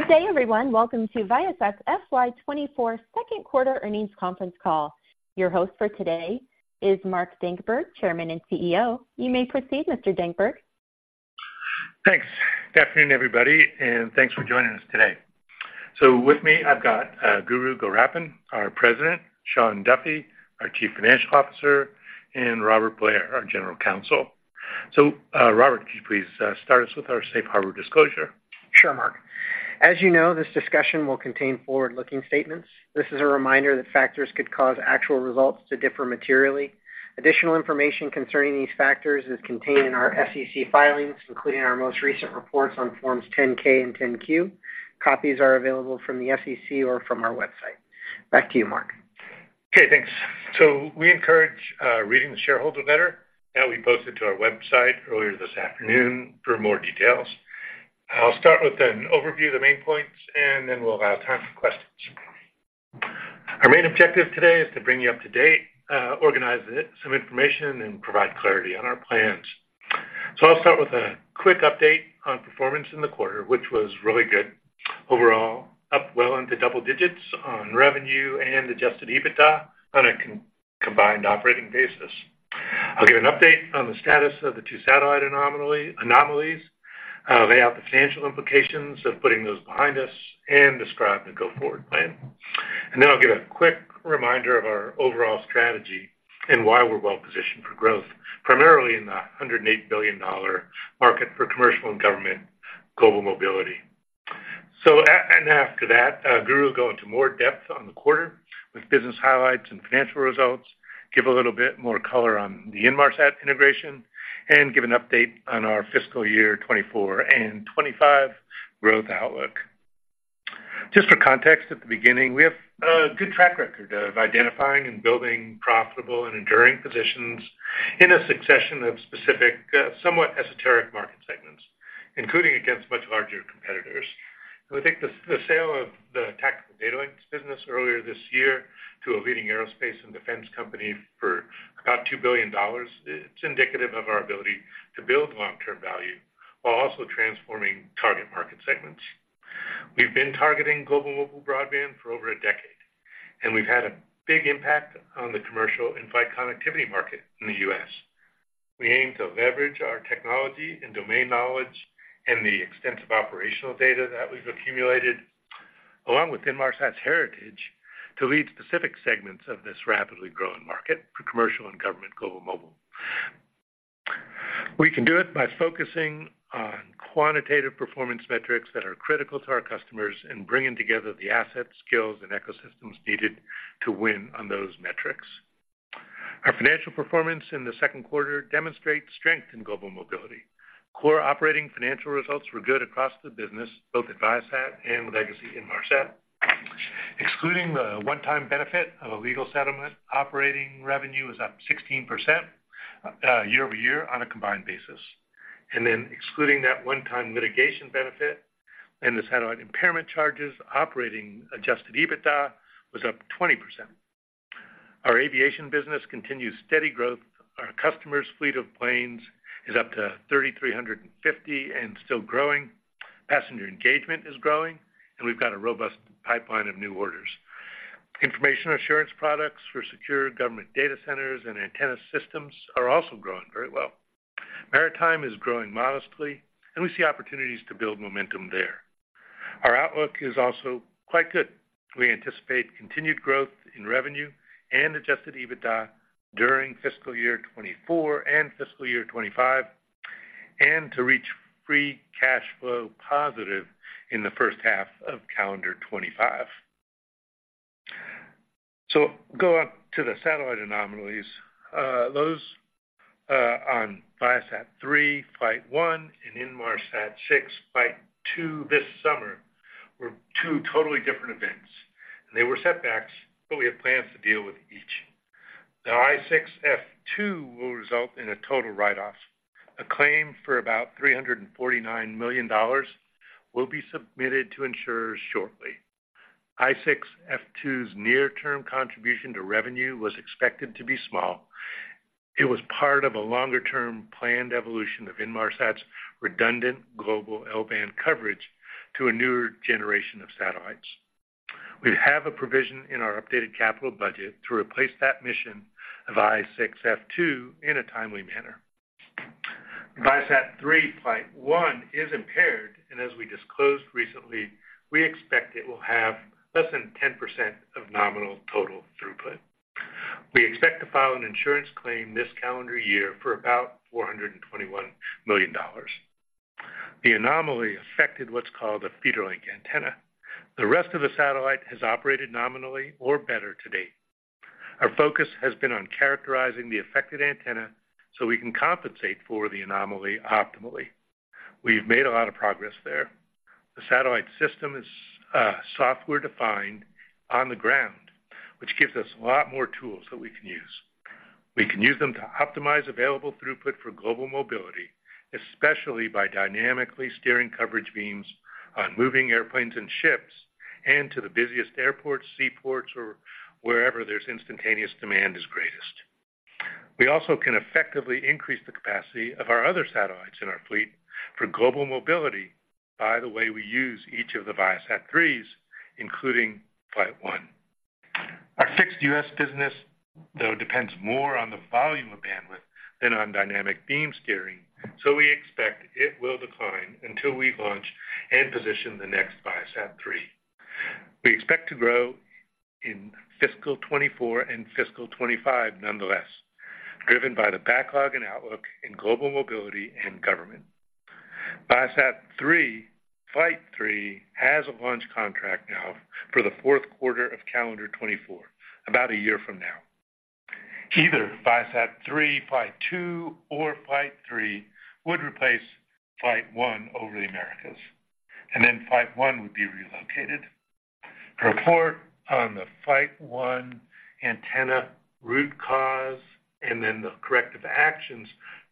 Good day, everyone. Welcome to Viasat's FY 2024 second quarter earnings conference call. Your host for today is Mark Dankberg, Chairman and CEO. You may proceed, Mr. Dankberg. Thanks. Good afternoon, everybody, and thanks for joining us today. With me, I've got Guru Gowrappan, our President, Shawn Duffy, our Chief Financial Officer, and Robert Blair, our General Counsel. Robert, could you please start us with our safe harbor disclosure? Sure, Mark. As you know, this discussion will contain forward-looking statements. This is a reminder that factors could cause actual results to differ materially. Additional information concerning these factors is contained in our SEC filings, including our most recent reports on Forms 10-K and 10-Q. Copies are available from the SEC or from our website. Back to you, Mark. Okay, thanks. We encourage reading the shareholder letter that we posted to our website earlier this afternoon for more details. I'll start with an overview of the main points, and then we'll allow time for questions. Our main objective today is to bring you up to date, organize it, some information, and provide clarity on our plans. I'll start with a quick update on performance in the quarter, which was really good. Overall, up well into double digits on revenue and Adjusted EBITDA on a combined operating basis. I'll give an update on the status of the two satellite anomalies, lay out the financial implications of putting those behind us, and describe the go-forward plan. And then I'll give a quick reminder of our overall strategy and why we're well positioned for growth, primarily in the $108 billion market for commercial and government global mobility. So, after that, Guru will go into more depth on the quarter with business highlights and financial results, give a little bit more color on the Inmarsat integration, and give an update on our fiscal year 2024 and 2025 growth outlook. Just for context, at the beginning, we have a good track record of identifying and building profitable and enduring positions in a succession of specific, somewhat esoteric market segments, including against much larger competitors. I think the sale of the Tactical Data Links business earlier this year to a leading aerospace and defense company for about $2 billion, it's indicative of our ability to build long-term value while also transforming target market segments. We've been targeting global mobile broadband for over a decade, and we've had a big impact on the commercial in-flight connectivity market in the U.S. We aim to leverage our technology and domain knowledge and the extensive operational data that we've accumulated, along with Inmarsat's heritage, to lead specific segments of this rapidly growing market for commercial and government global mobile. We can do it by focusing on quantitative performance metrics that are critical to our customers and bringing together the assets, skills, and ecosystems needed to win on those metrics. Our financial performance in the second quarter demonstrates strength in global mobility. Core operating financial results were good across the business, both at Viasat and legacy Inmarsat. Excluding the one-time benefit of a legal settlement, operating revenue was up 16% year-over-year on a combined basis. And then excluding that one-time litigation benefit and the satellite impairment charges, operating adjusted EBITDA was up 20%. Our aviation business continues steady growth. Our customers' fleet of planes is up to 3,350 and still growing. Passenger engagement is growing, and we've got a robust pipeline of new orders. Information assurance products for secure government data centers and antenna systems are also growing very well. Maritime is growing modestly, and we see opportunities to build momentum there. Our outlook is also quite good. We anticipate continued growth in revenue and adjusted EBITDA during fiscal year 2024 and fiscal year 2025, and to reach free cash flow positive in the first half of calendar 2025. So go on to the satellite anomalies. Those on ViaSat-3 Flight one and Inmarsat-6 Flight two this summer were two totally different events, and they were setbacks, but we have plans to deal with each. The I-6 F2 will result in a total write-off. A claim for about $349 million will be submitted to insurers shortly. I-6 F2's near-term contribution to revenue was expected to be small. It was part of a longer-term planned evolution of Inmarsat's redundant global L-band coverage to a newer generation of satellites. We have a provision in our updated capital budget to replace that mission of I-6 F2 in a timely manner. ViaSat-3 Flight one is impaired, and as we disclosed recently, we expect it will have less than 10% of nominal total throughput. We expect to file an insurance claim this calendar year for about $421 million. The anomaly affected what's called a feeder link antenna. The rest of the satellite has operated nominally or better to date. Our focus has been on characterizing the affected antenna so we can compensate for the anomaly optimally. We've made a lot of progress there. The satellite system is software-defined on the ground, which gives us a lot more tools that we can use. We can use them to optimize available throughput for global mobility, especially by dynamically steering coverage beams on moving airplanes and ships, and to the busiest airports, seaports, or wherever there's instantaneous demand is greatest. We also can effectively increase the capacity of our other satellites in our fleet for global mobility by the way we use each of the ViaSat-3s, including Flight one. Our fixed U.S. business, though, depends more on the volume of bandwidth than on dynamic beam steering, so we expect it will decline until we launch and position the next ViaSat-3. We expect to grow in fiscal 2024 and fiscal 2025 nonetheless, driven by the backlog and outlook in global mobility and government. ViaSat-3, Flight three, has a launch contract now for the fourth quarter of calendar 2024, about a year from now. Either ViaSat-3, Flight two, or Flight three would replace Flight One over the Americas, and then Flight one would be relocated. A report on the Flight one antenna root cause, and then the corrective actions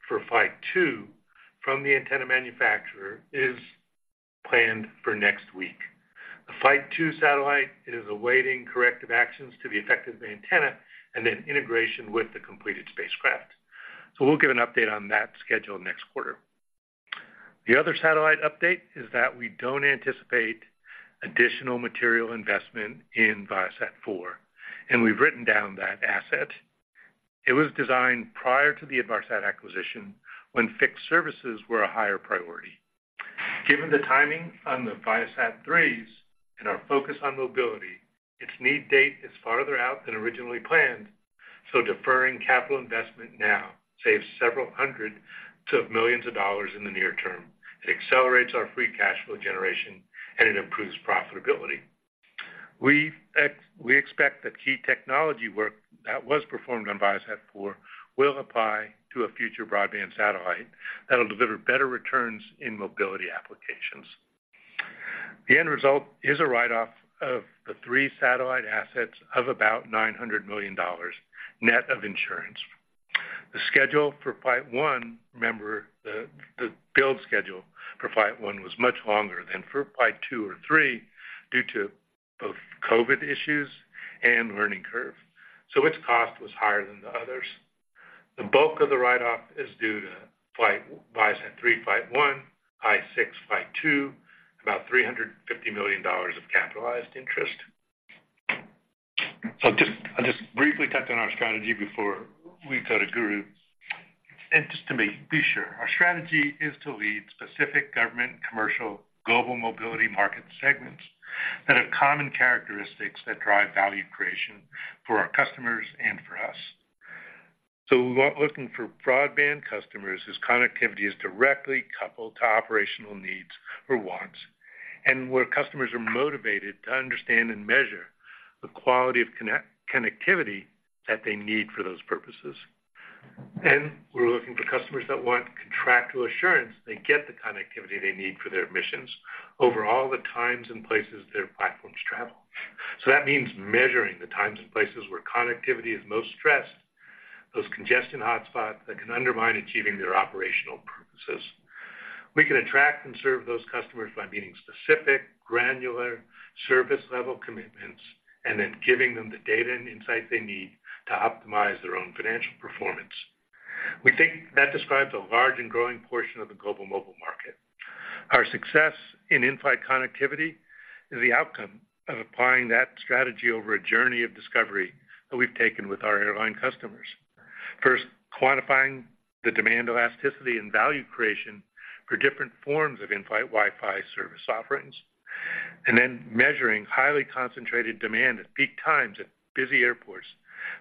for Flight two from the antenna manufacturer is planned for next week. The Flight two satellite is awaiting corrective actions to the feeder antenna and then integration with the completed spacecraft. So we'll give an update on that schedule next quarter. The other satellite update is that we don't anticipate additional material investment in ViaSat-4, and we've written down that asset. It was designed prior to the Inmarsat acquisition, when fixed services were a higher priority. Given the timing on the ViaSat-3s and our focus on mobility, its need date is farther out than originally planned, so deferring capital investment now saves several hundred to millions of dollars in the near term. It accelerates our free cash flow generation, and it improves profitability. We expect that key technology work that was performed on ViaSat-4 will apply to a future broadband satellite that'll deliver better returns in mobility applications. The end result is a write-off of the three satellite assets of about $900 million, net of insurance. The schedule for Flight one, remember, the build schedule for Flight one was much longer than for Flight two or three due to both COVID issues and learning curve, so its cost was higher than the others. The bulk of the write-off is due to Flight—ViaSat-3 Flight one, I-6 Flight two, about $350 million of capitalized interest. So I'll just briefly touch on our strategy before we go to Guru. Just to make sure, our strategy is to lead specific government, commercial, global mobility market segments that have common characteristics that drive value creation for our customers and for us. We're looking for broadband customers whose connectivity is directly coupled to operational needs or wants, and where customers are motivated to understand and measure the quality of connectivity that they need for those purposes. We're looking for customers that want contractual assurance they get the connectivity they need for their missions over all the times and places their platforms travel. That means measuring the times and places where connectivity is most stressed, those congestion hotspots that can undermine achieving their operational purposes. We can attract and serve those customers by meeting specific granular service-level commitments and then giving them the data and insight they need to optimize their own financial performance. We think that describes a large and growing portion of the global mobile market. Our success in in-flight connectivity is the outcome of applying that strategy over a journey of discovery that we've taken with our airline customers. First, quantifying the demand elasticity and value creation for different forms of in-flight Wi-Fi service offerings, and then measuring highly concentrated demand at peak times at busy airports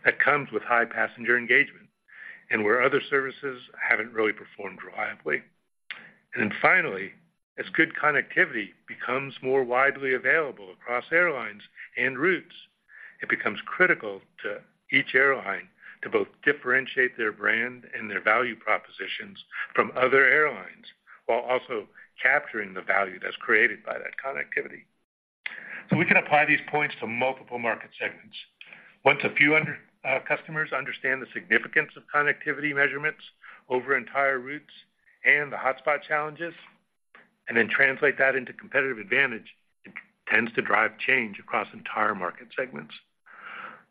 that comes with high passenger engagement and where other services haven't really performed reliably. And then finally, as good connectivity becomes more widely available across airlines and routes, it becomes critical to each airline to both differentiate their brand and their value propositions from other airlines, while also capturing the value that's created by that connectivity. So we can apply these points to multiple market segments. Once a few customers understand the significance of connectivity measurements over entire routes and the hotspot challenges, and then translate that into competitive advantage, it tends to drive change across entire market segments.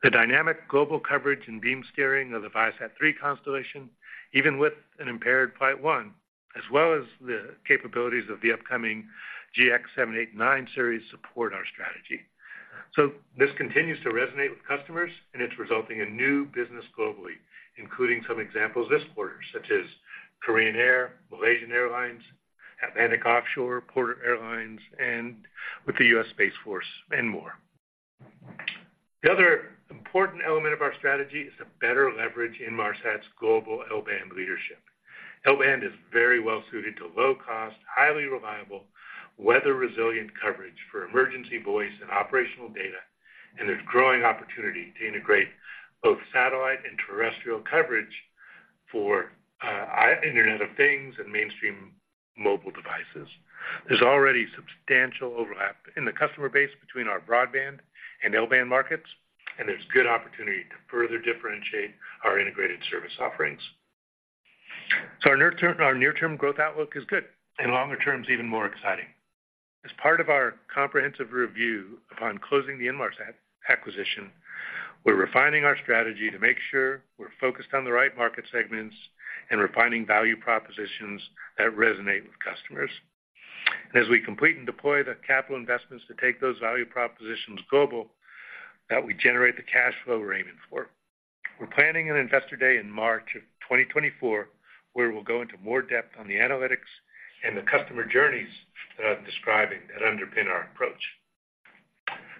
The dynamic global coverage and beam steering of the ViaSat-3 constellation, even with an impaired Flight one, as well as the capabilities of the upcoming GX7, eight, nine series, support our strategy. So this continues to resonate with customers, and it's resulting in new business globally, including some examples this quarter, such as Korean Air, Malaysia Airlines, Atlantic Offshore, Porter Airlines, and with the U.S. Space Force and more. The other important element of our strategy is to better leverage Inmarsat's global L-band leadership. L-band is very well suited to low cost, highly reliable, weather-resilient coverage for emergency voice and operational data, and there's growing opportunity to integrate both satellite and terrestrial coverage for Internet of Things and mainstream mobile devices. There's already substantial overlap in the customer base between our broadband and L-band markets, and there's good opportunity to further differentiate our integrated service offerings. So our near-term, our near-term growth outlook is good, and longer term is even more exciting. As part of our comprehensive review upon closing the Inmarsat acquisition, we're refining our strategy to make sure we're focused on the right market segments and refining value propositions that resonate with customers. As we complete and deploy the capital investments to take those value propositions global, that we generate the cash flow we're aiming for. We're planning an Investor Day in March 2024, where we'll go into more depth on the analytics and the customer journeys that I'm describing that underpin our approach.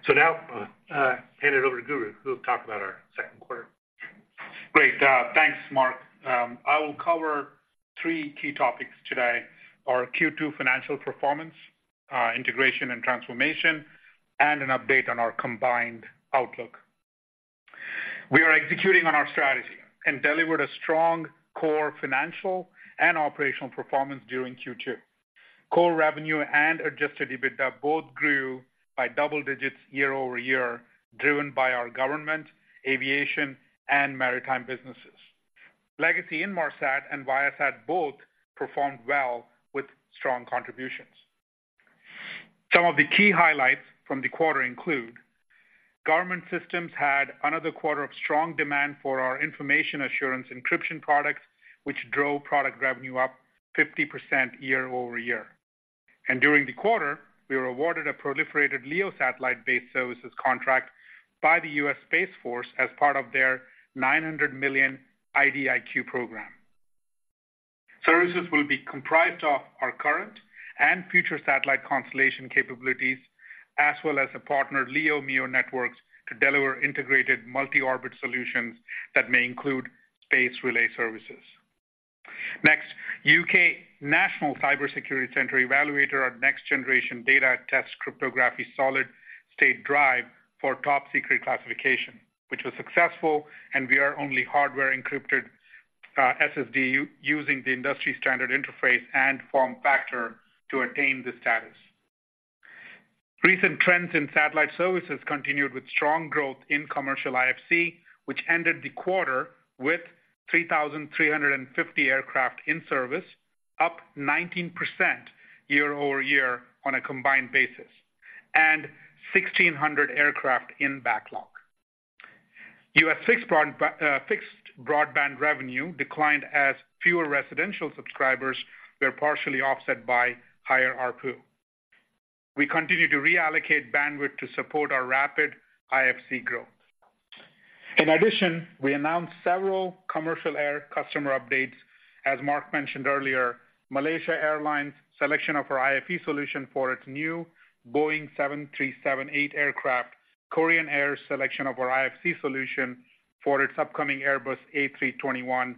So now, hand it over to Guru, who will talk about our second quarter. Great. Thanks, Mark. I will cover three key topics today: our Q2 financial performance, integration and transformation, and an update on our combined outlook. We are executing on our strategy and delivered a strong core financial and operational performance during Q2. Core revenue and Adjusted EBITDA both grew by double digits year-over-year, driven by our government, aviation, and maritime businesses. Legacy Inmarsat and Viasat both performed well with strong contributions. Some of the key highlights from the quarter include: Government Systems had another quarter of strong demand for our information assurance encryption products, which drove product revenue up 50% year-over-year. During the quarter, we were awarded a proliferated LEO satellite-based services contract by the U.S. Space Force as part of their $900 million IDIQ program. Services will be comprised of our current and future satellite constellation capabilities, as well as a partner, LEO/MEO networks, to deliver integrated multi-orbit solutions that may include space relay services. Next, U.K. National Cyber Security Centre evaluated our next-generation data test cryptography solid state drive for top-secret classification, which was successful, and we are only hardware encrypted SSD using the industry standard interface and form factor to attain this status. Recent trends in satellite services continued with strong growth in commercial IFC, which ended the quarter with 3,350 aircraft in service, up 19% year-over-year on a combined basis, and 1,600 aircraft in backlog. US fixed broadband revenue declined as fewer residential subscribers were partially offset by higher ARPU. We continue to reallocate bandwidth to support our rapid IFC growth. In addition, we announced several commercial air customer updates. As Mark mentioned earlier, Malaysia Airlines' selection of our IFE solution for its new Boeing 737-8 aircraft, Korean Air's selection of our IFC solution for its upcoming Airbus A321neo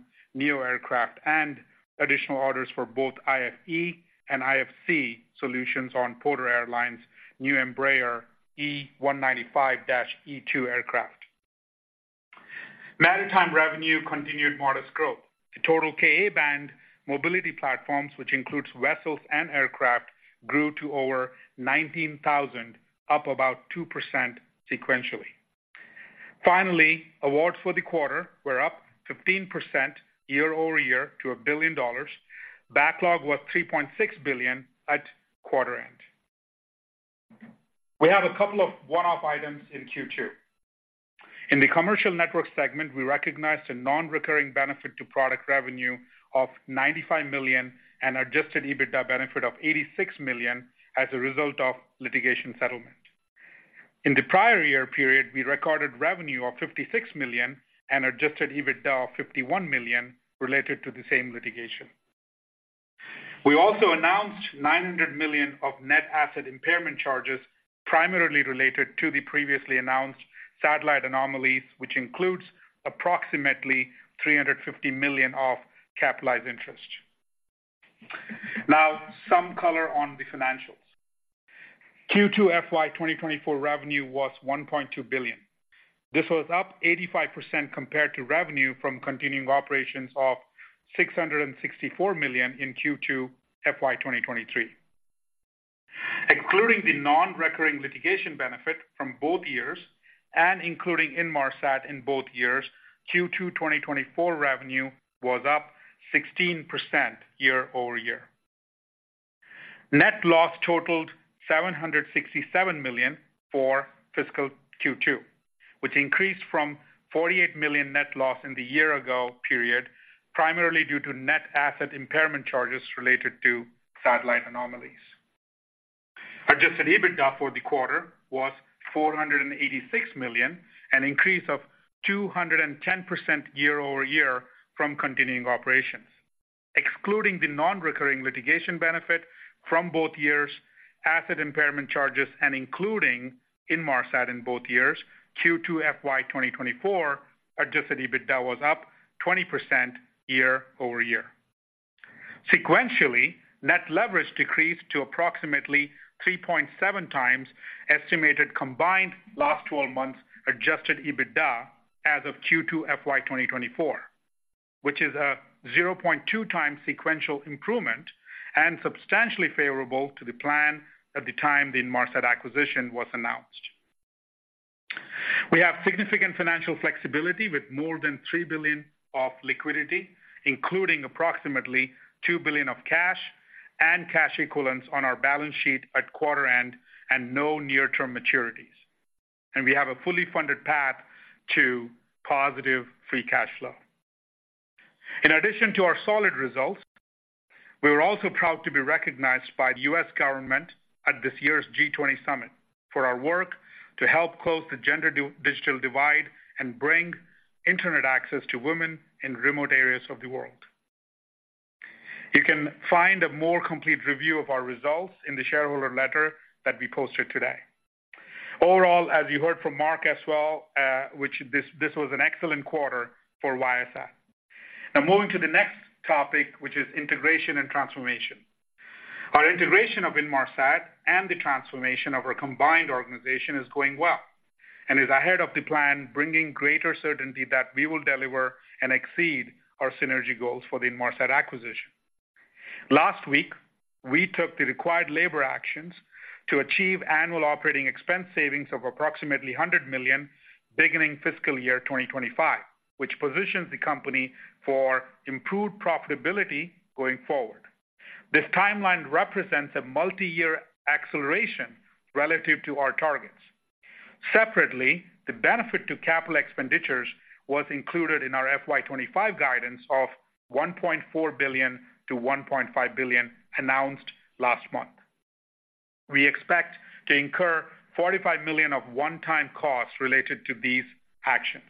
aircraft, and additional orders for both IFE and IFC solutions on Porter Airlines' new Embraer E195-E2 aircraft. Maritime revenue continued modest growth. The total Ka-band mobility platforms, which includes vessels and aircraft, grew to over 19,000, up about 2% sequentially. Finally, awards for the quarter were up 15% year-over-year to $1 billion. Backlog was $3.6 billion at quarter end. We have a couple of one-off items in Q2. In the commercial network segment, we recognized a non-recurring benefit to product revenue of $95 million and Adjusted EBITDA benefit of $86 million as a result of litigation settlement. In the prior year period, we recorded revenue of $56 million and Adjusted EBITDA of $51 million related to the same litigation. We also announced $900 million of net asset impairment charges, primarily related to the previously announced satellite anomalies, which includes approximately $350 million of capitalized interest. Now, some color on the financials. Q2 FY2024 revenue was $1.2 billion. This was up 85% compared to revenue from continuing operations of $664 million in Q2 FY2023. Excluding the non-recurring litigation benefit from both years and including Inmarsat in both years, Q2 2024 revenue was up 16% year-over-year. Net loss totaled $767 million for fiscal Q2, which increased from $48 million net loss in the year-ago period, primarily due to net asset impairment charges related to satellite anomalies. Adjusted EBITDA for the quarter was $486 million, an increase of 210% year-over-year from continuing operations. Excluding the non-recurring litigation benefit from both years, asset impairment charges, and including Inmarsat in both years, Q2 FY 2024 adjusted EBITDA was up 20% year-over-year. Sequentially, net leverage decreased to approximately 3.7x estimated combined last 12 months adjusted EBITDA as of Q2 FY 2024, which is a 0.2x sequential improvement and substantially favorable to the plan at the time the Inmarsat acquisition was announced.... We have significant financial flexibility with more than $3 billion of liquidity, including approximately $2 billion of cash and cash equivalents on our balance sheet at quarter end and no near-term maturities. We have a fully funded path to positive free cash flow. In addition to our solid results, we were also proud to be recognized by the U.S. government at this year's G20 summit for our work to help close the gender digital divide and bring internet access to women in remote areas of the world. You can find a more complete review of our results in the shareholder letter that we posted today. Overall, as you heard from Mark as well, this was an excellent quarter for Viasat. Now, moving to the next topic, which is integration and transformation. Our integration of Inmarsat and the transformation of our combined organization is going well, and is ahead of the plan, bringing greater certainty that we will deliver and exceed our synergy goals for the Inmarsat acquisition. Last week, we took the required labor actions to achieve annual operating expense savings of approximately $100 million beginning fiscal year 2025, which positions the company for improved profitability going forward. This timeline represents a multiyear acceleration relative to our targets. Separately, the benefit to capital expenditures was included in our FY 2025 guidance of $1.4 billion-$1.5 billion, announced last month. We expect to incur $45 million of one-time costs related to these actions.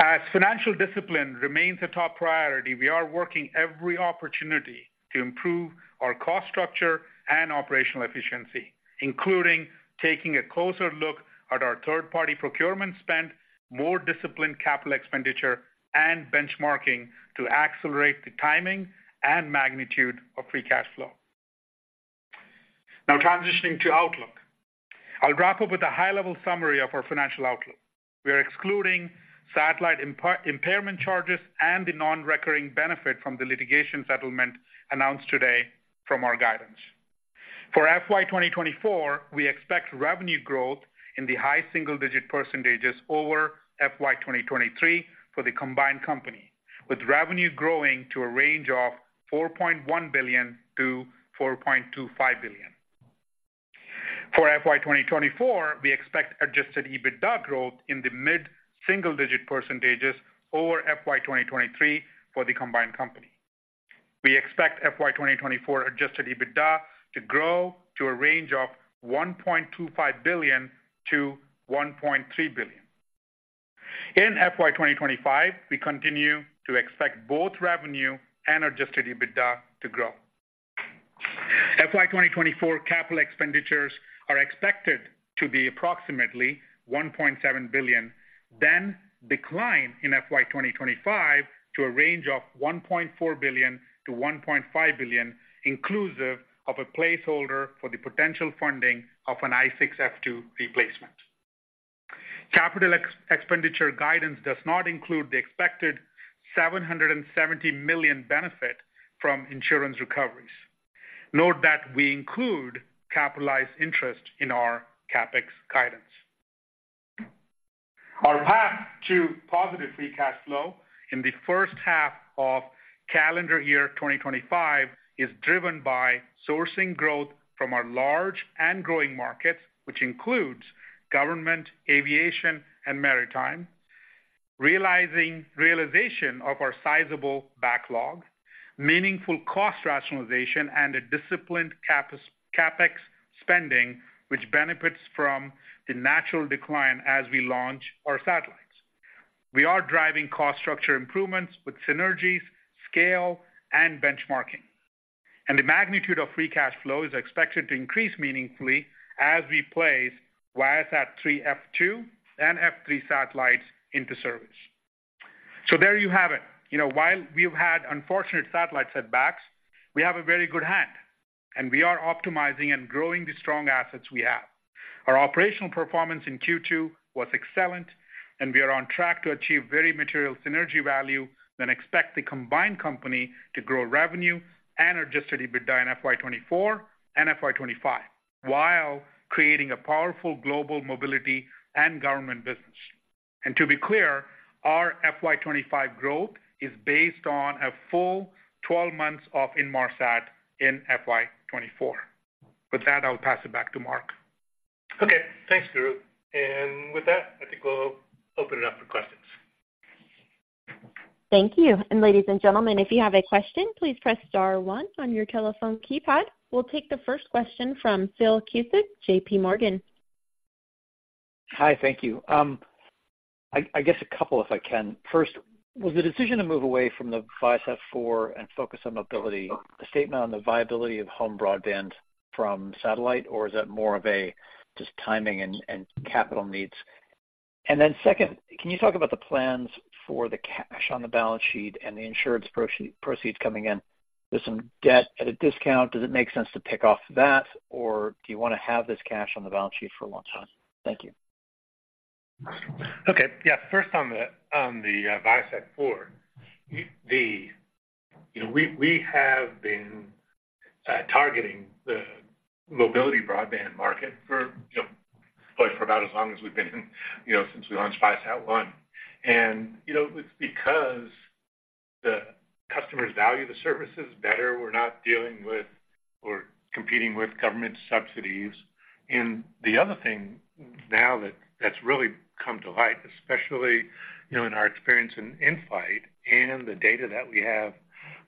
As financial discipline remains a top priority, we are working every opportunity to improve our cost structure and operational efficiency, including taking a closer look at our third-party procurement spend, more disciplined capital expenditure, and benchmarking to accelerate the timing and magnitude of free cash flow. Now transitioning to outlook. I'll wrap up with a high-level summary of our financial outlook. We are excluding satellite impairment charges and the non-recurring benefit from the litigation settlement announced today from our guidance. For FY 2024, we expect revenue growth in the high single-digit percentage over FY 2023 for the combined company, with revenue growing to a range of $4.1 billion-$4.25 billion. For FY 2024, we expect Adjusted EBITDA growth in the mid-single-digit percentage over FY 2023 for the combined company. We expect FY 2024 Adjusted EBITDA to grow to a range of $1.25 billion-$1.3 billion. In FY 2025, we continue to expect both revenue and Adjusted EBITDA to grow. FY 2024 capital expenditures are expected to be approximately $1.7 billion, then decline in FY 2025 to a range of $1.4 billion-$1.5 billion, inclusive of a placeholder for the potential funding of an I-6 F2 replacement. Capital expenditure guidance does not include the expected $770 million benefit from insurance recoveries. Note that we include capitalized interest in our CapEx guidance. Our path to positive free cash flow in the first half of calendar year 2025 is driven by sourcing growth from our large and growing markets, which includes government, aviation, and maritime, realization of our sizable backlog, meaningful cost rationalization, and a disciplined CapEx spending, which benefits from the natural decline as we launch our satellites. We are driving cost structure improvements with synergies, scale, and benchmarking, and the magnitude of free cash flow is expected to increase meaningfully as we place ViaSat-3 F2 and F3 satellites into service. So there you have it. You know, while we've had unfortunate satellite setbacks, we have a very good hand, and we are optimizing and growing the strong assets we have. Our operational performance in Q2 was excellent, and we are on track to achieve very material synergy value, then expect the combined company to grow revenue and adjusted EBITDA in FY 2024 and FY 2025, while creating a powerful global mobility and government business. And to be clear, our FY 2025 growth is based on a full 12 months of Inmarsat in FY 2024. With that, I'll pass it back to Mark. Okay, thanks, Guru, and with that, I think we'll open it up for questions. Thank you. Ladies and gentlemen, if you have a question, please press star one on your telephone keypad. We'll take the first question from Phil Cusick, JPMorgan. Hi, thank you. I guess a couple, if I can. First, was the decision to move away from the Viasat-4 and focus on mobility, a statement on the viability of home broadband from satellite, or is that more of a just timing and capital needs? And then second, can you talk about the plans for the cash on the balance sheet and the insurance proceeds coming in? There's some debt at a discount. Does it make sense to pick off that, or do you want to have this cash on the balance sheet for a long time? Thank you. Okay. Yeah. First, on the ViaSat-4. The... You know, we have been-... targeting the mobility broadband market for, you know, probably for about as long as we've been in, you know, since we launched ViaSat-1. And, you know, it's because the customers value the services better. We're not dealing with or competing with government subsidies. And the other thing now that that's really come to light, especially, you know, in our experience in flight and the data that we have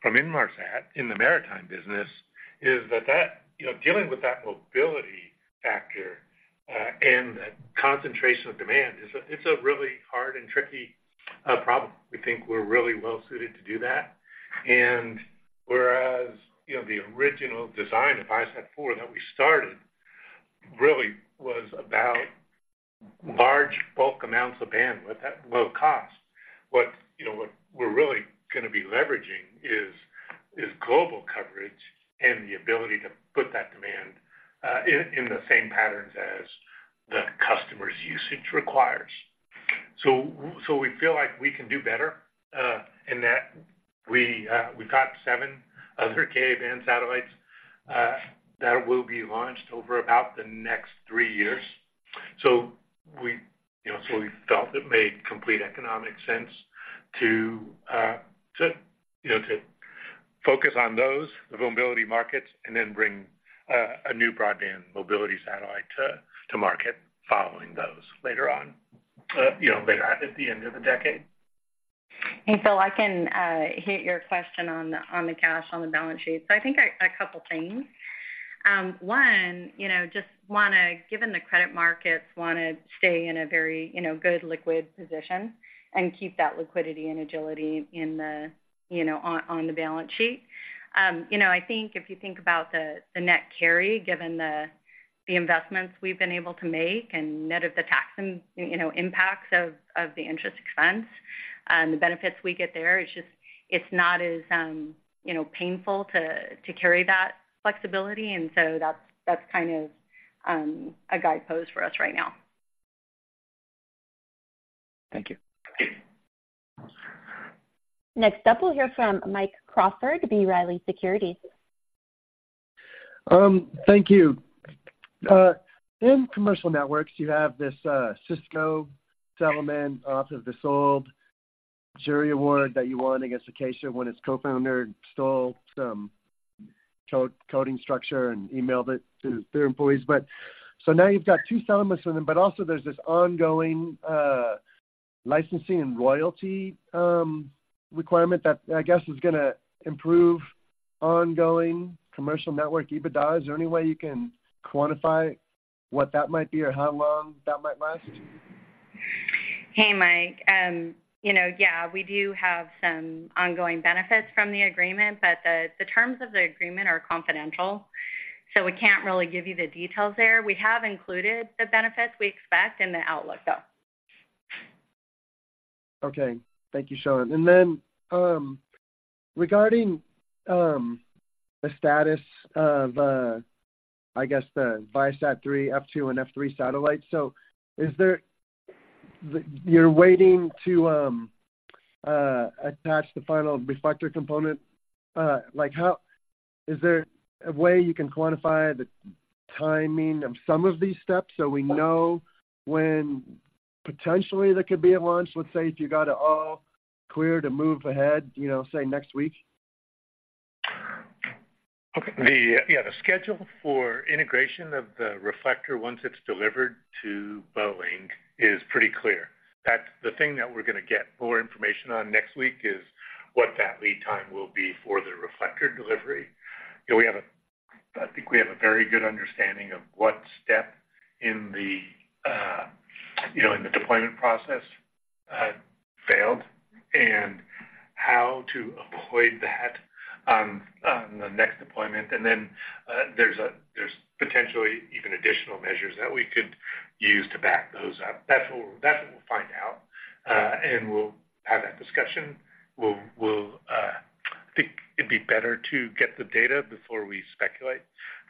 from Inmarsat in the maritime business, is that you know, dealing with that mobility factor and concentration of demand is a really hard and tricky problem. We think we're really well-suited to do that. And whereas, you know, the original design of ViaSat-4 that we started really was about large bulk amounts of bandwidth at low cost. What, you know, what we're really gonna be leveraging is global coverage and the ability to put that demand in the same patterns as the customer's usage requires. So, so we feel like we can do better in that we, we've got seven other Ka-band satellites that will be launched over about the next three years. So we, you know, so we felt it made complete economic sense to, you know, to focus on those, the mobility markets, and then bring a new broadband mobility satellite to market following those later on, you know, later at the end of the decade. Hey, Phil, I can hit your question on the, on the cash on the balance sheet. So I think a couple things. One, you know, just wanna, given the credit markets, wanna stay in a very, you know, good liquid position and keep that liquidity and agility in the, you know, on, on the balance sheet. You know, I think if you think about the net carry, given the investments we've been able to make and net of the tax and, you know, impacts of the interest expense and the benefits we get there, it's just—it's not as, you know, painful to carry that flexibility, and so that's kind of a guidepost for us right now. Thank you. Next up, we'll hear from Mike Crawford, B. Riley Securities. Thank you. In commercial networks, you have this Cisco settlement off of the sold jury award that you won against Acacia when its co-founder stole some source code structure and emailed it to their employees. But so now you've got two settlements with them, but also there's this ongoing licensing and royalty requirement that I guess is gonna improve ongoing commercial network EBITDA. Is there any way you can quantify what that might be or how long that might last? Hey, Mike. You know, yeah, we do have some ongoing benefits from the agreement, but the terms of the agreement are confidential, so we can't really give you the details there. We have included the benefits we expect in the outlook, though. Okay. Thank you, Shawn. And then, regarding the status of, I guess, the ViaSat-3 F2 and F3 satellites, so is there you're waiting to attach the final reflector component? Like, how is there a way you can quantify the timing of some of these steps so we know when potentially there could be a launch, let's say, if you got it all clear to move ahead, you know, say, next week? Okay. Yeah, the schedule for integration of the reflector, once it's delivered to Boeing, is pretty clear. That the thing that we're gonna get more information on next week is what that lead time will be for the reflector delivery. You know, I think we have a very good understanding of what step in the, you know, in the deployment process, failed, and how to avoid that on, on the next deployment. And then, there's potentially even additional measures that we could use to back those up. That's what, that's what we'll find out, and we'll have that discussion. We'll, we'll, I think it'd be better to get the data before we speculate.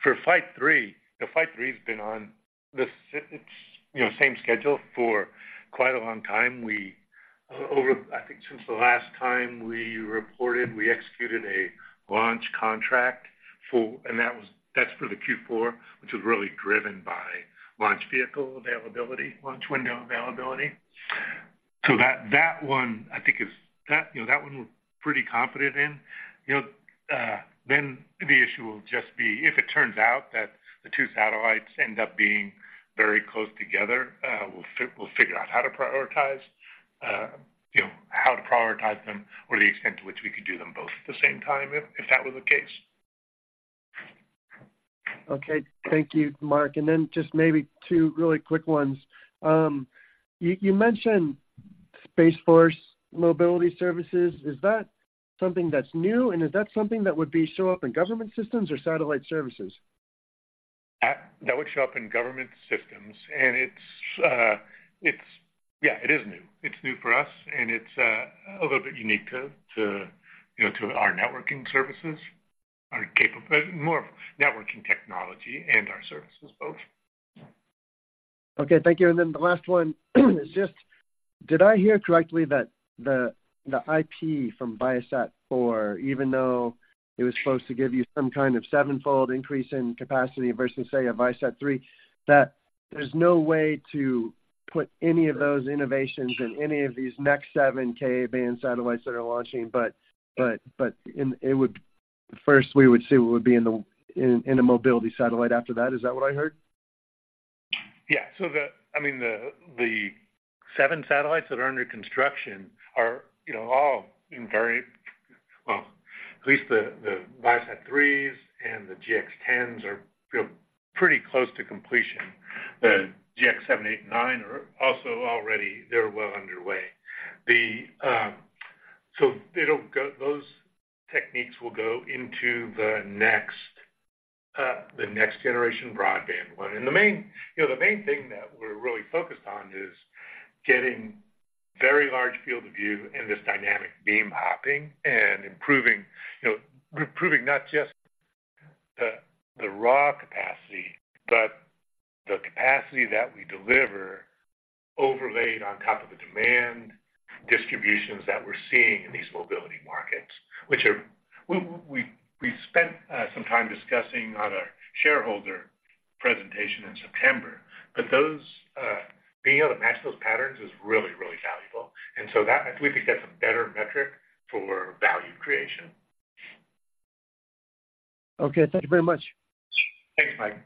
For Flight three, the Flight three has been on the it's, you know, same schedule for quite a long time. I think since the last time we reported, we executed a launch contract for... And that's for the Q4, which was really driven by launch vehicle availability, launch window availability. So that, that one, I think, is that, you know, that one we're pretty confident in. You know, then the issue will just be if it turns out that the two satellites end up being very close together, we'll figure out how to prioritize, you know, how to prioritize them or the extent to which we could do them both at the same time if, if that was the case. Okay. Thank you, Mark. And then just maybe two really quick ones. You, you mentioned Space Force Mobility Services. Is that something that's new, and is that something that would show up in government systems or satellite services? That would show up in government systems, and it's. Yeah, it is new. It's new for us, and it's a little bit unique to, you know, to our networking services, more of networking technology and our services both.... Okay, thank you. And then the last one is just, did I hear correctly that the, the IP from ViaSat-4, even though it was supposed to give you some kind of sevenfold increase in capacity versus, say, a ViaSat-3, that there's no way to put any of those innovations in any of these next seven K-band satellites that are launching, but, but, but it, it would—first we would see what would be in the, in, in a mobility satellite after that. Is that what I heard? Yeah. So, I mean, the seven satellites that are under construction are, you know, all in very... Well, at least the ViaSat-3s and the GX10s are, you know, pretty close to completion. The GX7, eight, and nine are also already, they're well underway. So it'll go, those techniques will go into the next generation broadband one. And the main, you know, the main thing that we're really focused on is getting very large field of view in this dynamic beam hopping and improving, you know, improving not just the raw capacity, but the capacity that we deliver overlaid on top of the demand distributions that we're seeing in these mobility markets, which are, we spent some time discussing on our shareholder presentation in September, but those, being able to match those patterns is really, really valuable. And so that, I think that's a better metric for value creation. Okay. Thank you very much. Thanks, Mike.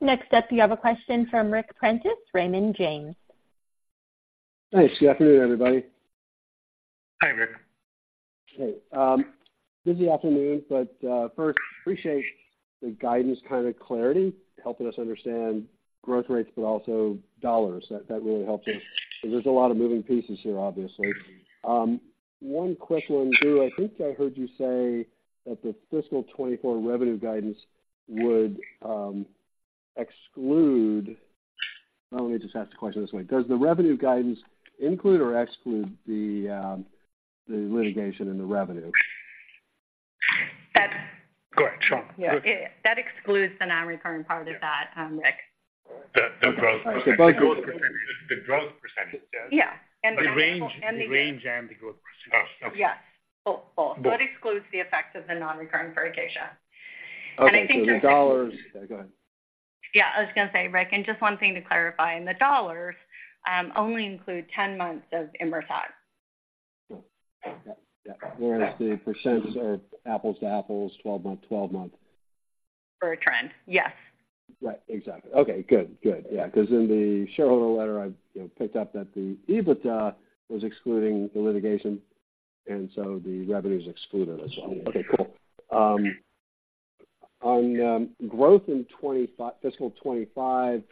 Next up, you have a question from Ric Prentiss, Raymond James. Thanks. Good afternoon, everybody. Hi, Ric. Hey, busy afternoon, but first, appreciate the guidance, kind of, clarity, helping us understand growth rates, but also dollars. That really helps us, because there's a lot of moving pieces here, obviously. One quick one, too. I think I heard you say that the fiscal 2024 revenue guidance would exclude... Well, let me just ask the question this way: Does the revenue guidance include or exclude the litigation and the revenue? That- Go ahead, Shawn. Yeah. That excludes the non-recurring part of that, Ric. The growth percentage. The growth percentage. The growth percentage, yes. Yeah. The range, the range and the growth percentage. Oh, okay. Yes. Both. Both. So it excludes the effect of the non-recurring for Acacia. And I think- Okay, so the dollars... Yeah, go ahead. Yeah, I was going to say, Ric, and just one thing to clarify, and the dollars only include 10 months of Inmarsat. Cool. Yeah. Yeah. Whereas the percents are apples to apples, 12 month, 12 month. For a trend, yes. Right. Exactly. Okay, good. Good. Yeah, because in the shareholder letter, I, you know, picked up that the EBITDA was excluding the litigation, and so the revenue is excluded as well. Mm-hmm. Okay, cool. On growth in fiscal 2025,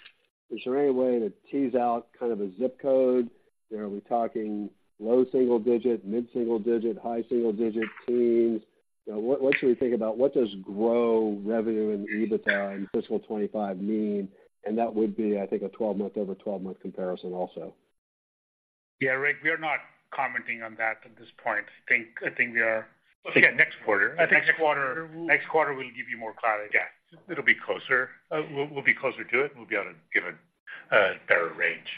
is there any way to tease out kind of a zip code? You know, are we talking low single digit, mid single digit, high single digit, teens? You know, what should we think about? What does grow revenue and EBITDA in fiscal 2025 mean? And that would be, I think, a 12-month over 12-month comparison also. Yeah, Ric, we are not commenting on that at this point. I think we are— Well, yeah, next quarter. I think next quarter— Next quarter, we'll give you more clarity. Yeah. It'll be closer. We'll be closer to it, and we'll be able to give a better range.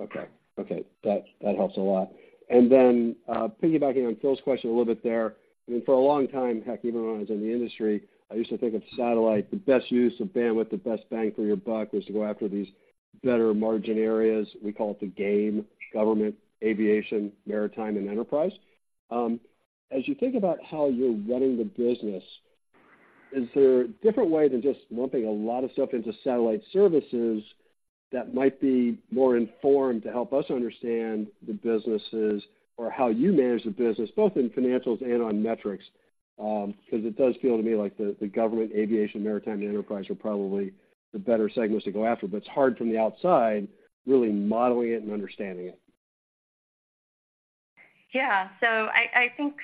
Okay. Okay. That, that helps a lot. And then, piggybacking on Phil's question a little bit there, I mean, for a long time, heck, even when I was in the industry, I used to think of satellite, the best use of bandwidth, the best bang for your buck, was to go after these better margin areas. We call it the GAME: Government, Aviation, Maritime, and Enterprise. As you think about how you're running the business, is there a different way than just lumping a lot of stuff into satellite services that might be more informed to help us understand the businesses or how you manage the business, both in financials and on metrics? Because it does feel to me like the, the Government, Aviation, Maritime, and Enterprise are probably the better segments to go after, but it's hard from the outside, really modeling it and understanding it. Yeah. So I think,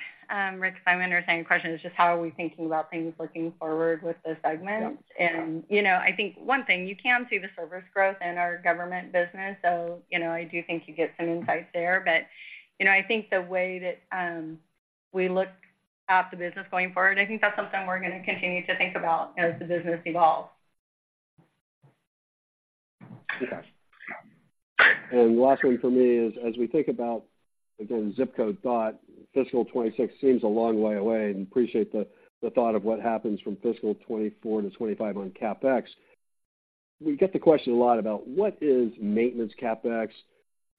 Ric, if I'm understanding the question, is just how are we thinking about things looking forward with the segments? Yep. You know, I think one thing, you can see the service growth in our government business, so you know, I do think you get some insight there. You know, I think the way that we look at the business going forward, I think that's something we're going to continue to think about as the business evolves. Okay. Last one for me is: As we think about, again, zip code thought, fiscal 2026 seems a long way away, and appreciate the thought of what happens from fiscal 2024 to 2025 on CapEx. We get the question a lot about what is maintenance CapEx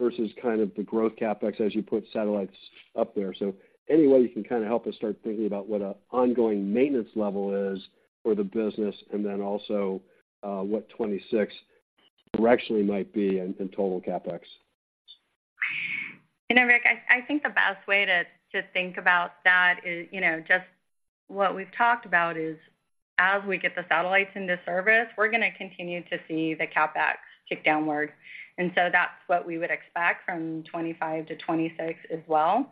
versus kind of the growth CapEx as you put satellites up there. So any way you can kind of help us start thinking about what a ongoing maintenance level is for the business, and then also what 2026 directionally might be in total CapEx? You know, Ric, I think the best way to think about that is, you know, just what we've talked about is as we get the satellites into service, we're going to continue to see the CapEx tick downward. And so that's what we would expect from 2025 to 2026 as well.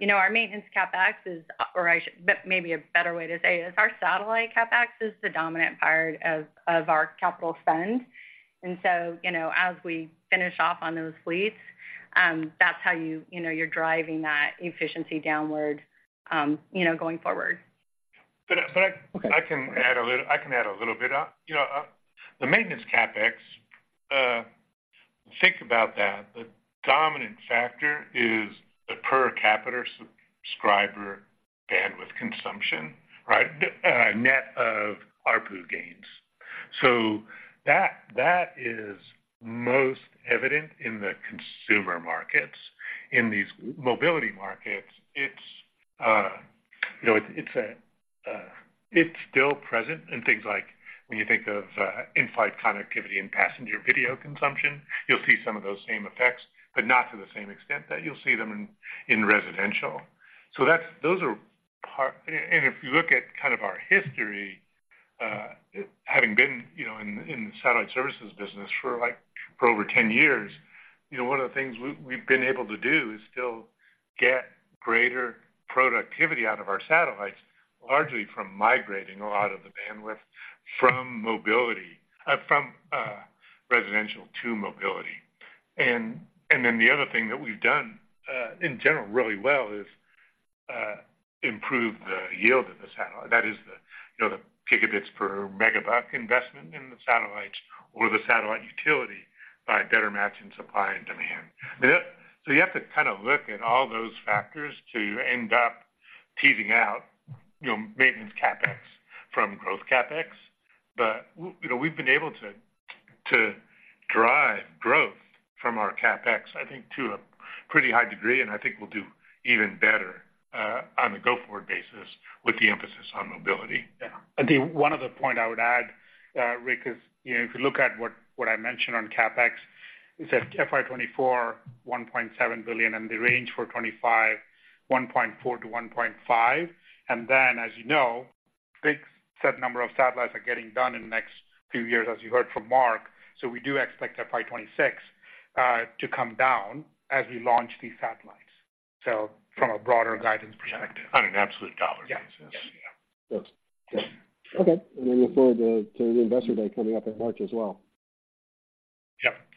You know, our maintenance CapEx is, or maybe a better way to say it is our satellite CapEx is the dominant part of our capital spend. And so, you know, as we finish off on those fleets, ... that's how you, you know, you're driving that efficiency downward, you know, going forward. I can add a little bit. You know, the maintenance CapEx, think about that. The dominant factor is the per capita subscriber bandwidth consumption, right? Net of ARPU gains. So that is most evident in the consumer markets. In these mobility markets, it's, you know, it's a, it's still present in things like when you think of, in-flight connectivity and passenger video consumption, you'll see some of those same effects, but not to the same extent that you'll see them in, residential. So that's... And if you look at kind of our history, having been, you know, in the satellite services business for, like, for over 10 years, you know, one of the things we, we've been able to do is still get greater productivity out of our satellites, largely from migrating a lot of the bandwidth from mobility, from residential to mobility. And then the other thing that we've done in general, really well is improve the yield of the satellite. That is the, you know, the gigabits per megabyte investment in the satellites or the satellite utility by better matching supply and demand. So you have to kind of look at all those factors to end up teasing out, you know, maintenance CapEx from growth CapEx. But, you know, we've been able to drive growth from our CapEx, I think, to a pretty high degree, and I think we'll do even better on a go-forward basis with the emphasis on mobility. Yeah. I think one other point I would add, Ric, is, you know, if you look at what I mentioned on CapEx, it says FY 2024, $1.7 billion, and the range for 2025, $1.4 billion-$1.5 billion. And then, as you know, big set number of satellites are getting done in the next few years, as you heard from Mark. So we do expect FY 2026 to come down as we launch these satellites. So from a broader guidance perspective. On an absolute dollar basis. Yeah. Yes. Yeah. Okay. And we look forward to the Investor Day coming up in March as well.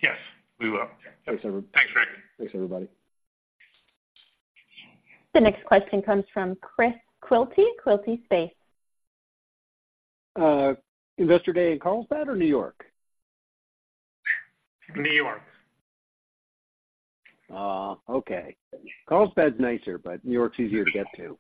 Yeah. Yes, we will. Okay. Thanks, everyone. Thanks, Ric. Thanks, everybody. The next question comes from Chris Quilty, Quilty Space. Investor Day in Carlsbad or New York? New York. Okay. Carlsbad's nicer, but New York's easier to get to.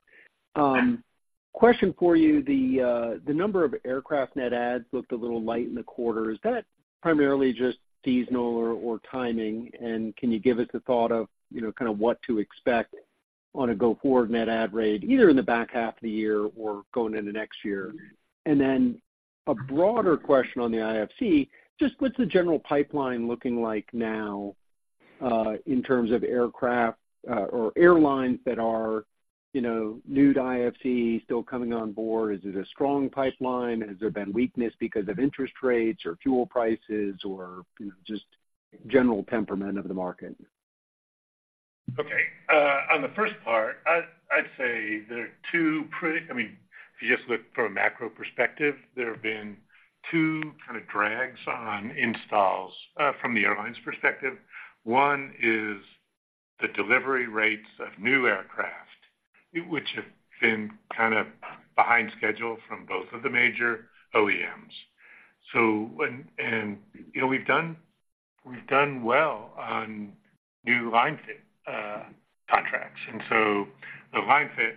Question for you. The number of aircraft net adds looked a little light in the quarter. Is that primarily just seasonal or timing? And can you give us a thought of, you know, kind of what to expect on a go-forward net add rate, either in the back half of the year or going into next year? And then a broader question on the IFC, just what's the general pipeline looking like now, in terms of aircraft or airlines that are, you know, new to IFC, still coming on board? Is it a strong pipeline? Has there been weakness because of interest rates or fuel prices or, you know, just general temperament of the market? Okay. On the first part, I'd say there are two pretty... I mean, if you just look from a macro perspective, there have been two kind of drags on installs from the airline's perspective. One is the delivery rates of new aircraft, which have been kind of behind schedule from both of the major OEMs. You know, we've done well on new line fit contracts. And so the line fit,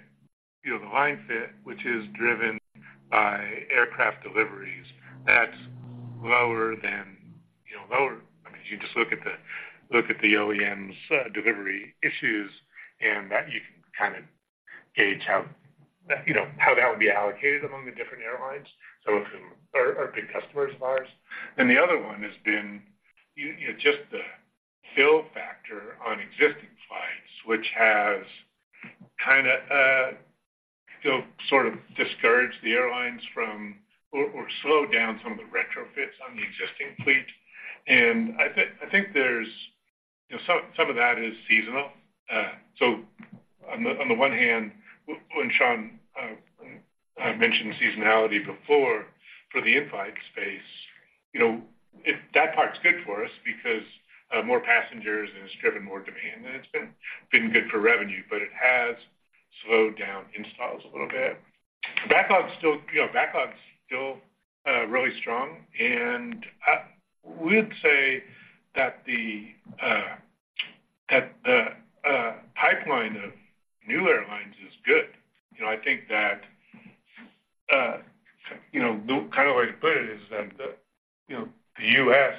you know, the line fit, which is driven by aircraft deliveries, that's lower than, you know, lower. I mean, you just look at the OEM's delivery issues, and that you can kind of gauge how, you know, how that would be allocated among the different airlines. So Delta and United are big customers of ours. Then the other one has been, you know, just the fill factor on existing flights, which has kinda feel sort of discouraged the airlines from or slowed down some of the retrofits on the existing fleet. And I think, I think there's, you know, some, some of that is seasonal. So on the one hand, when Shawn mentioned seasonality before for the in-flight space, you know, it—that part's good for us because more passengers, and it's driven more demand, and it's been, been good for revenue, but it has slowed down installs a little bit. Backlog's still, you know, backlog's still really strong, and we'd say that the pipeline of new airlines is good. You know, I think that, you know, the kind of way to put it is that the, you know, the U.S.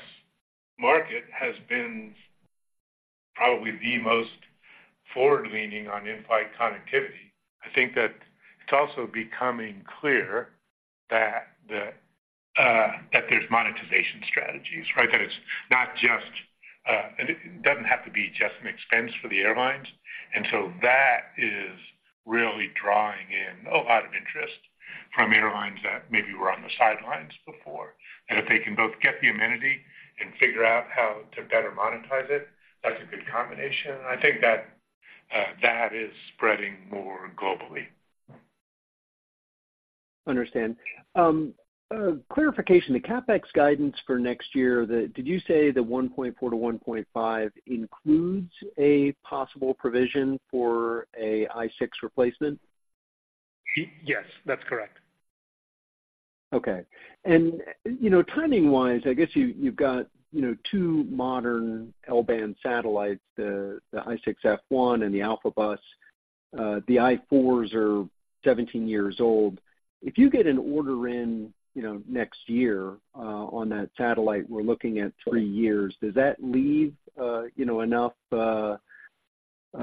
market has been probably the most forward-leaning on in-flight connectivity. I think that it's also becoming clear that the, that there's monetization strategies, right? That it's not just... It doesn't have to be just an expense for the airlines. And so that is really drawing in a lot of interest from airlines that maybe were on the sidelines before, and if they can both get the amenity and figure out how to better monetize it, that's a good combination. I think that, that is spreading more globally.... Understand. Clarification, the CapEx guidance for next year, did you say the $1.4-$1.5 includes a possible provision for a I-6 replacement? Yes, that's correct. Okay. And, you know, timing-wise, I guess you, you've got, you know, two modern L-band satellites, the, the I-6 F1 and the Alphabus. The I-4s are 17 years old. If you get an order in, you know, next year, on that satellite, we're looking at three years. Does that leave, you know, enough, time-wise,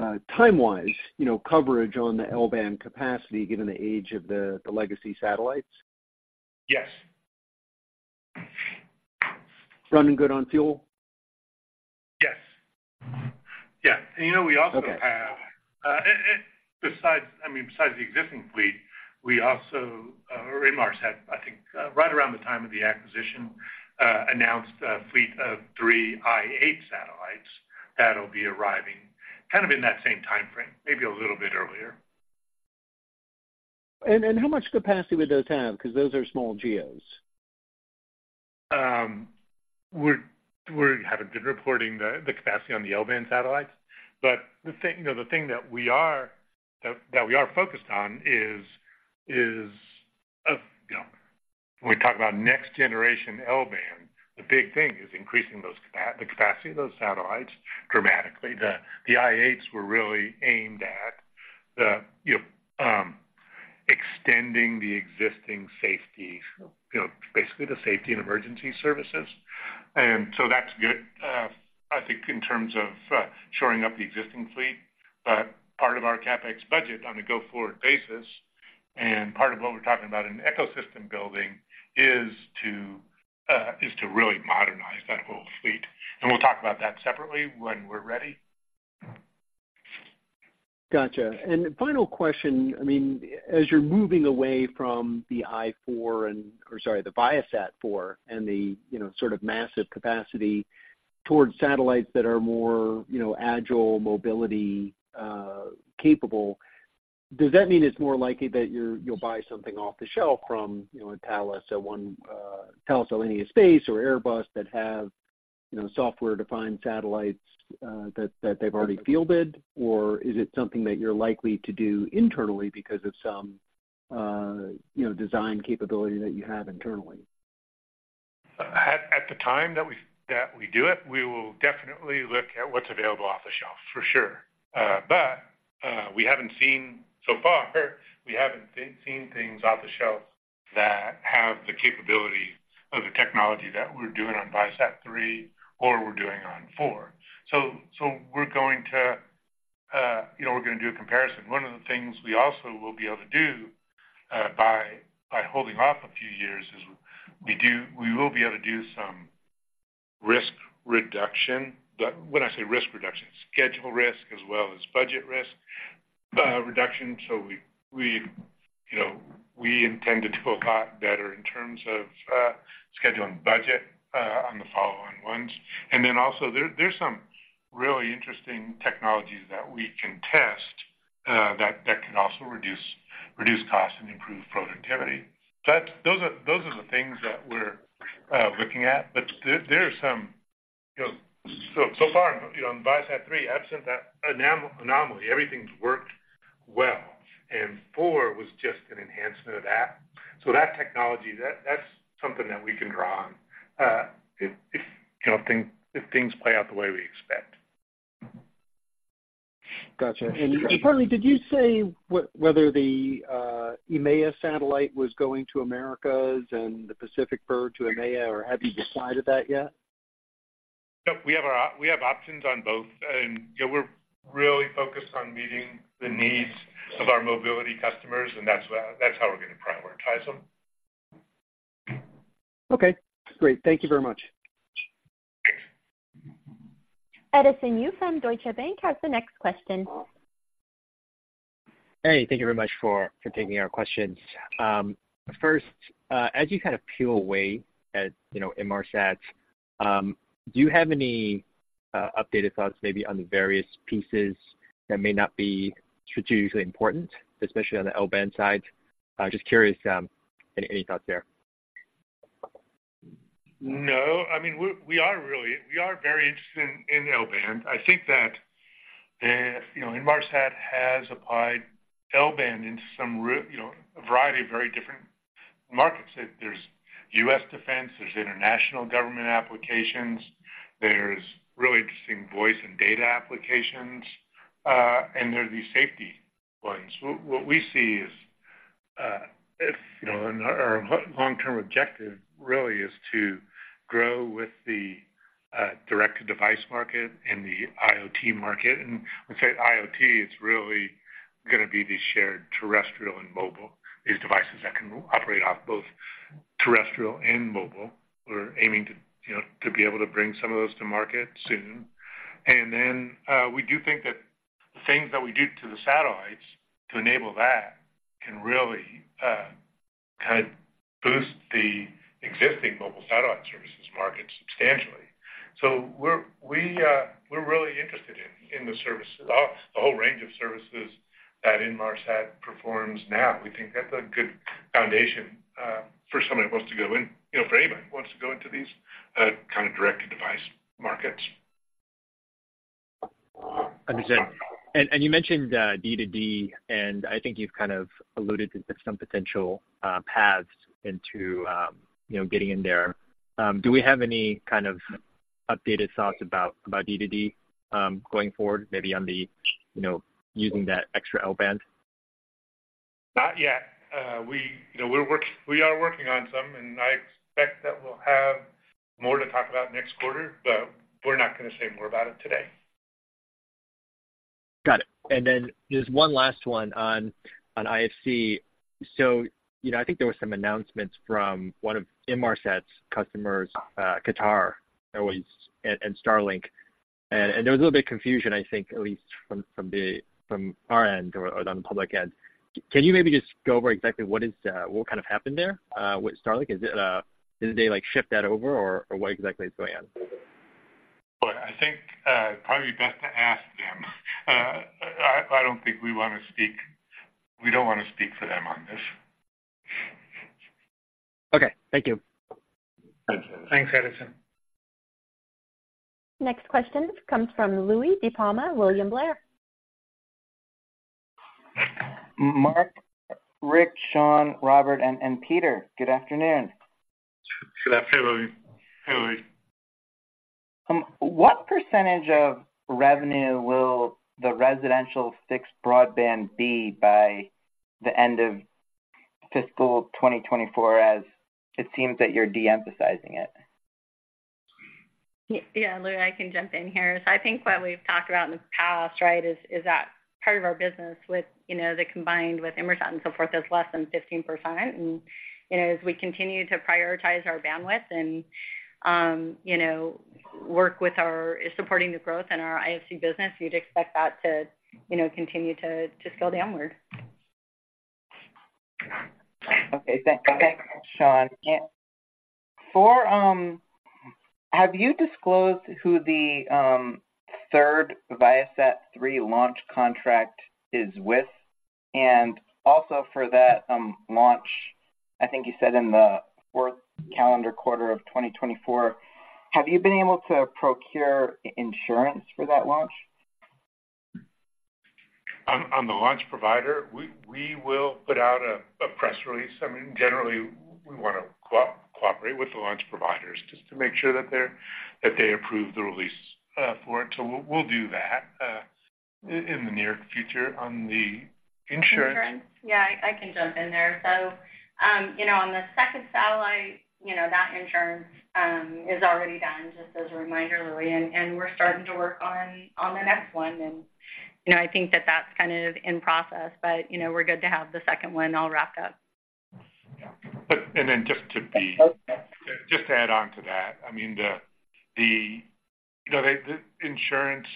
you know, coverage on the L-band capacity, given the age of the, the legacy satellites? Yes. Running good on fuel? Yes. Yeah, and, you know, we also have- Okay. Besides, I mean, besides the existing fleet, we also, Inmarsat, I think, right around the time of the acquisition, announced a fleet of three I-8 satellites that'll be arriving kind of in that same timeframe, maybe a little bit earlier. How much capacity would those have? Because those are small GEOs. We're haven't been reporting the capacity on the L-band satellites, but the thing, you know, the thing that we are focused on is, you know, when we talk about next generation L-band, the big thing is increasing the capacity of those satellites dramatically. The I-8s were really aimed at the, you know, extending the existing safety, basically the safety and emergency services. And so that's good, I think, in terms of shoring up the existing fleet. But part of our CapEx budget on a go-forward basis, and part of what we're talking about in ecosystem building, is to really modernize that whole fleet, and we'll talk about that separately when we're ready. Gotcha. Final question. I mean, as you're moving away from the I-4 and, or, sorry, the ViaSat-4 and the, you know, sort of massive capacity towards satellites that are more, you know, agile, mobility capable, does that mean it's more likely that you're—you'll buy something off the shelf from, you know, a Thales Alenia Space or Airbus that have, you know, software-defined satellites, that, that they've already fielded? Or is it something that you're likely to do internally because of some, you know, design capability that you have internally? At the time that we do it, we will definitely look at what's available off the shelf, for sure. But we haven't seen—so far, we haven't seen things off the shelf that have the capability of the technology that we're doing on ViaSat-3 or we're doing on ViaSat-4. So we're going to, you know, we're gonna do a comparison. One of the things we also will be able to do, by holding off a few years, is we will be able to do some risk reduction. But when I say risk reduction, schedule risk as well as budget risk, reduction. So we, you know, we intend to do a lot better in terms of, scheduling budget, on the following ones. Then also, there, there's some really interesting technologies that we can test that can also reduce costs and improve productivity. But those are the things that we're looking at. But there are some, you know. So far, you know, on ViaSat-3, absent that anomaly, everything's worked well, and Four was just an enhancement of that. So that technology, that's something that we can draw on, if you know, things play out the way we expect. Gotcha. And partly, did you say whether the EMEA satellite was going to Americas and the Pacific bird to EMEA, or have you decided that yet? Yep, we have our options on both. You know, we're really focused on meeting the needs of our mobility customers, and that's how we're gonna prioritize them. Okay, great. Thank you very much. Edison Yu from Deutsche Bank has the next question. Hey, thank you very much for taking our questions. First, as you kind of peel away at, you know, Inmarsat, do you have any updated thoughts, maybe on the various pieces that may not be strategically important, especially on the L-band side? Just curious, any thoughts there? No, I mean, we, we are really, we are very interested in, in L-band. I think that, you know, Inmarsat has applied L-band into some, you know, a variety of very different markets. There's U.S. defense, there's international government applications, there's really interesting voice and data applications, and there are the safety ones. What we see is, if, you know, and our, our long-term objective really is to grow with the direct-to-device market and the IoT market. And when I say IoT, it's really gonna be the shared terrestrial and mobile, these devices that can operate off both terrestrial and mobile. We're aiming to, you know, to be able to bring some of those to market soon. And then, we do think that the things that we do to the satellites to enable that can really, kind of boost the existing mobile satellite services market substantially. So we're, we're really interested in, in the services, the, the whole range of services that Inmarsat performs now. We think that's a good foundation, for somebody who wants to go in, you know, for anybody who wants to go into these, kind of direct-to-device markets. Understood. And you mentioned D2D, and I think you've kind of alluded to some potential paths into, you know, getting in there. Do we have any kind of updated thoughts about D2D going forward, maybe on the, you know, using that extra L-band? Not yet. We, you know, we are working on some, and I expect that we'll have more to talk about next quarter, but we're not going to say more about it today. Got it. And then there's one last one on IFC. So, you know, I think there were some announcements from one of Inmarsat's customers, Qatar Airways, and Starlink. And there was a little bit of confusion, I think, at least from our end or on the public end. Can you maybe just go over exactly what kind of happened there with Starlink? Is it, did they, like, shift that over, or what exactly is going on? Well, I think it'd probably be best to ask them. I don't think we want to speak for them on this. Okay. Thank you. Thanks, Edison. Next question comes from Louie DiPalma, William Blair. Mark, Ric, Shawn, Robert, and Peter, good afternoon. Good afternoon, Louie. Hey, Louie. What percentage of revenue will the residential fixed broadband be by the end of fiscal 2024, as it seems that you're de-emphasizing it? Yeah, Louie, I can jump in here. So I think what we've talked about in the past, right, is that part of our business with, you know, the combined with Inmarsat and so forth, is less than 15%. And, you know, as we continue to prioritize our bandwidth and, you know, work with our supporting the growth in our IFC business, you'd expect that to, you know, continue to scale downward. Okay, thanks. Okay. Sean, yeah. For, have you disclosed who the third ViaSat-3 launch contract is with? And also for that launch, I think you said in the fourth calendar quarter of 2024, have you been able to procure insurance for that launch? On the launch provider, we will put out a press release. I mean, generally, we want to cooperate with the launch providers just to make sure that they're that they approve the release for it. So we'll do that in the near future. On the insurance- Insurance? Yeah, I can jump in there. So, you know, on the second satellite, you know, that insurance is already done, just as a reminder, Louie, and we're starting to work on the next one. And, you know, I think that's kind of in process, but, you know, we're good to have the second one all wrapped up. Yeah. But and then just to be- Okay. Just to add on to that, I mean, you know, the insurance,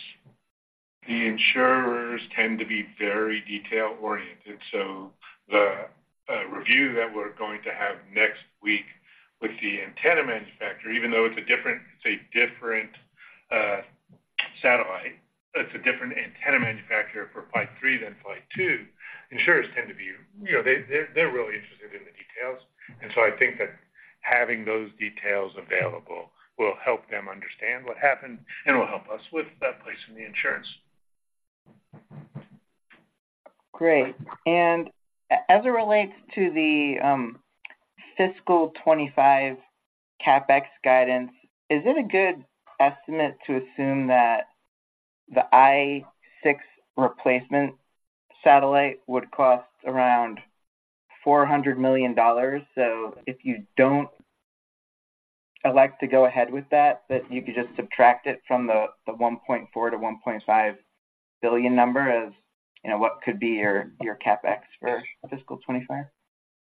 the insurers tend to be very detail-oriented. So the review that we're going to have next week with the antenna manufacturer, even though it's a different satellite, it's a different antenna manufacturer for Flight three than Flight two, insurers tend to be, you know, they're really interested in the details. And so I think that having those details available will help them understand what happened and will help us with placing the insurance. Great. And as it relates to the fiscal 25 CapEx guidance, is it a good estimate to assume that the I-6 replacement satellite would cost around $400 million? So if you don't elect to go ahead with that, that you could just subtract it from the $1.4 billion-$1.5 billion number as, you know, what could be your CapEx for fiscal 25.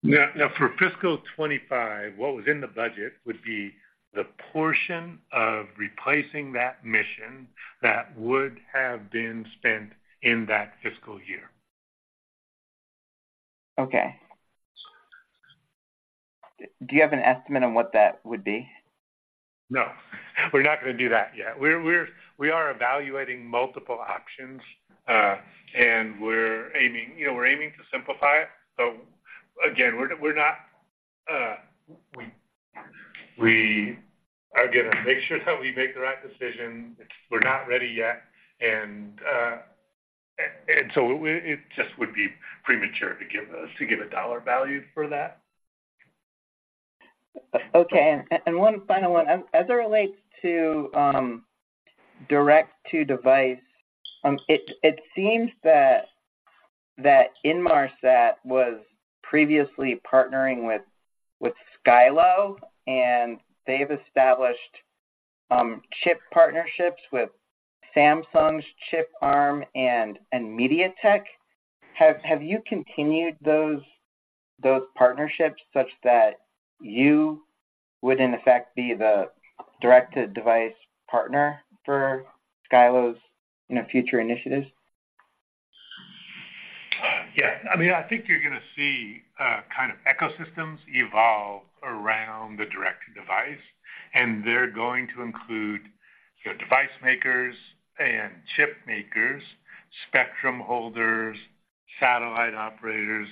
Yeah. Now, for fiscal 25, what was in the budget would be the portion of replacing that mission that would have been spent in that fiscal year. Okay. Do you have an estimate on what that would be? No, we're not going to do that yet. We are evaluating multiple options, and we're aiming, you know, we're aiming to simplify it. So again, we're not. I've got to make sure that we make the right decision. We're not ready yet, and so it just would be premature to give a dollar value for that. Okay. And, and one final one. As it relates to direct to device, it seems that Inmarsat was previously partnering with Skylo, and they've established chip partnerships with Samsung's chip arm and MediaTek. Have you continued those partnerships such that you would, in effect, be the direct-to-device partner for Skylo's, you know, future initiatives?... I mean, I think you're gonna see kind of ecosystems evolve around the direct-to-device, and they're going to include, you know, device makers and chip makers, spectrum holders, satellite operators,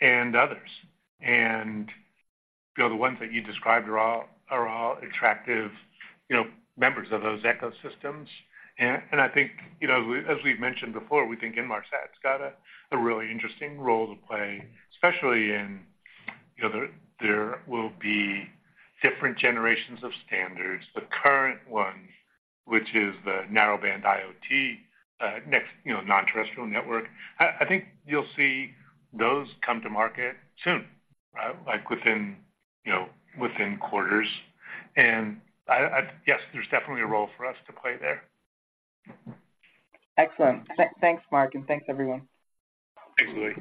and others. And, you know, the ones that you described are all attractive, you know, members of those ecosystems. And I think, you know, as we've mentioned before, we think Inmarsat's got a really interesting role to play, especially in, you know, there will be different generations of standards. The current one, which is the narrowband IoT, next, you know, non-terrestrial network. I think you'll see those come to market soon, right? Like within, you know, within quarters. And yes, there's definitely a role for us to play there. Excellent. Thanks, Mark, and thanks, everyone. Thanks, Louie.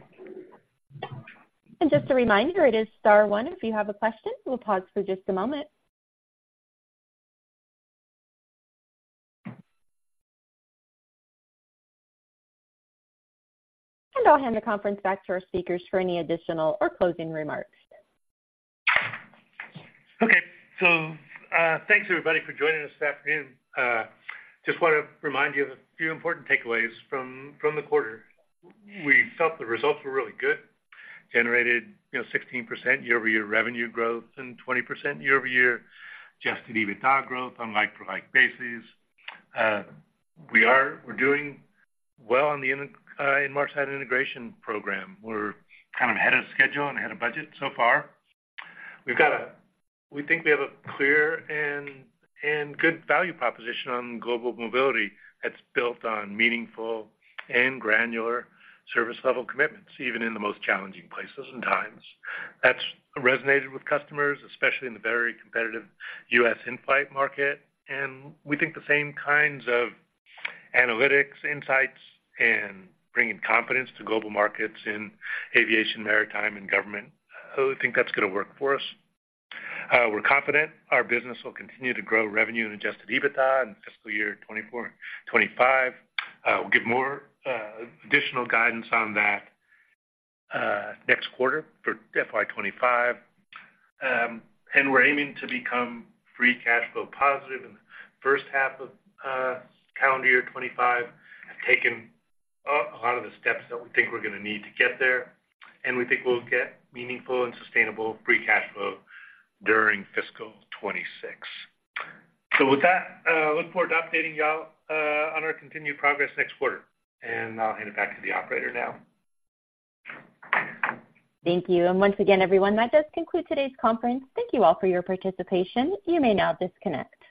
Just a reminder, it is star one, if you have a question. We'll pause for just a moment. I'll hand the conference back to our speakers for any additional or closing remarks. Okay. So, thanks, everybody, for joining us this afternoon. Just wanna remind you of a few important takeaways from the quarter. We felt the results were really good. Generated, you know, 16% year-over-year revenue growth and 20% year-over-year Adjusted EBITDA growth on like-for-like basis. We're doing well on the Inmarsat integration program. We're kind of ahead of schedule and ahead of budget so far. We think we have a clear and good value proposition on global mobility that's built on meaningful and granular service level commitments, even in the most challenging places and times. That's resonated with customers, especially in the very competitive U.S. in-flight market, and we think the same kinds of analytics, insights, and bringing confidence to global markets in aviation, maritime, and government, we think that's gonna work for us. We're confident our business will continue to grow revenue and Adjusted EBITDA in fiscal year 2024, 2025. We'll give more additional guidance on that next quarter for FY 2025. And we're aiming to become free cash flow positive in the first half of calendar year 2025. Have taken a lot of the steps that we think we're gonna need to get there, and we think we'll get meaningful and sustainable free cash flow during fiscal 2026. So with that, look forward to updating y'all on our continued progress next quarter, and I'll hand it back to the operator now. Thank you. Once again, everyone, that does conclude today's conference. Thank you all for your participation. You may now disconnect.